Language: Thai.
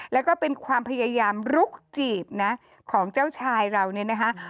แล้วก็เป็นความพยายามลุกจีบนะของเจ้าชายเราเนี่ยนะคะ